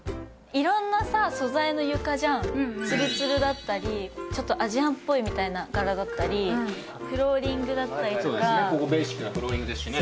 色んなさ素材の床じゃんうんうんツルツルだったりちょっとアジアンっぽいみたいな柄だったりフローリングだったりとかここベーシックなフローリングですしね